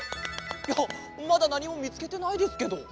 いやまだなにもみつけてないですけど？